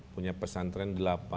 punya pesantren delapan